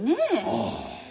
ああ。